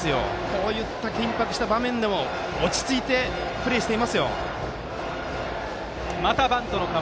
こういった緊迫した場面でも落ち着いてプレーしていますよ。